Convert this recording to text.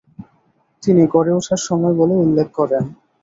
তিনি "গড়ে ওঠার সময়" বলে উল্লেখ করেন।